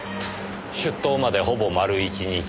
出頭までほぼ丸一日。